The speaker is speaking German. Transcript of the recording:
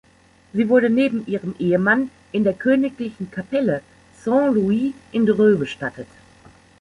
Sie wurde neben ihrem Ehemann in der Königlichen Kapelle Saint Louis in Dreux bestattet.